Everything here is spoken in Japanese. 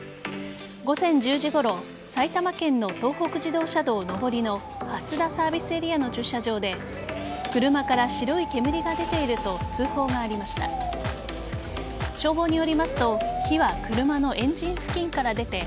午前１０時ごろ埼玉県の東北自動車道上りの蓮田サービスエリアの駐車場で車から白い煙が出ていると通報がありました。